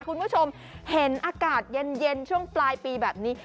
คุณผู้ชมเห็นอากาศเย็นช่วงปลายปีแบบนี้